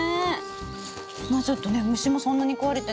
まあちょっとね虫もそんなに食われてなくて。